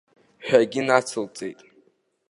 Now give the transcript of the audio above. Ҳәагьы нацылҵеит.